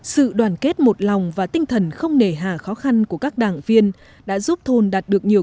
sự đoàn kết một lòng và tinh thần không nể hà khó khăn của các đảng viên đã giúp thôn đạt được nhiều